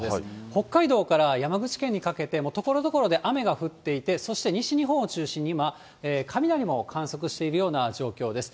北海道から山口県にかけて、ところどころで雨が降っていて、そして西日本を中心に今、雷を観測しているような状況です。